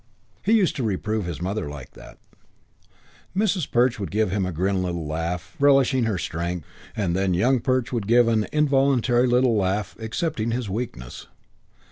He used to reprove his mother like that. Mrs. Perch would give a grim little laugh, relishing her strength, and then Young Perch would give an involuntary little laugh, accepting his weakness.